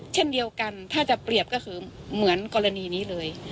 เช่นเดียวกันถ้าจะเปรียบก็คือเหมือนกรณีนี้เลย